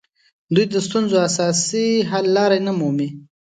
دوی د ستونزو اساسي حل لارې نه مومي